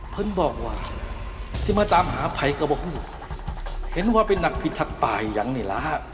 เพิ่งบอกว่าซิมมาตามหาไผกระบะหู้เห็นว่าเป็นนักกิจทัดป่ายอย่างนี่ล่ะ